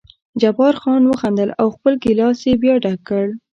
جبار خان وخندل او خپل ګیلاس یې بیا ډک کړ.